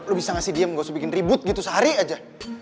lo bisa ngasih diem gak usah bikin ribut gitu sehari aja